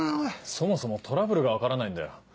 そもそもトラブルが分からないんだよ。